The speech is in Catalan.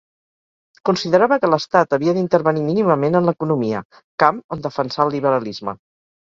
Considerava que l'Estat havia d'intervenir mínimament en l'economia, camp on defensà el liberalisme.